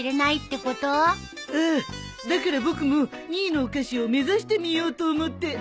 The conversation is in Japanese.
だから僕も２位のお菓子を目指してみようと思って。